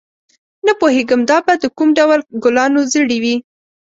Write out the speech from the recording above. نه پوهېږم دا به د کوم ډول ګلانو زړي وي.